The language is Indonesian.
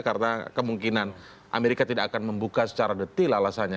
karena kemungkinan amerika tidak akan membuka secara detail alasannya